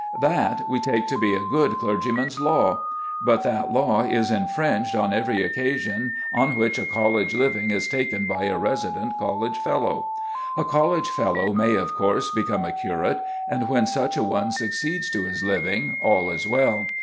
That we take to be good clergyman's law; but that law is infringed on every occasion on which a college living is taken by a resident college fellow. A college fellow may, of course, become a curate, and when such a one succeeds to his living all is well.